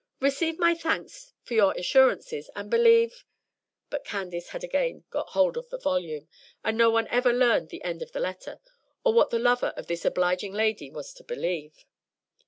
Receive my thanks for your assurances, and believe '" But Candace had again got hold of the volume, and no one ever learned the end of the letter, or what the lover of this obliging lady was to "believe."